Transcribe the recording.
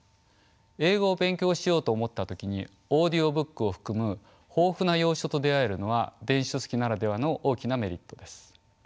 英語を勉強しようと思った時にオーディオブックを含む豊富な洋書と出会えるのは電子書籍ならではの大きなメリットです。